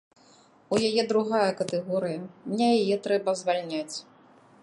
У яе другая катэгорыя, мне яе трэба звальняць.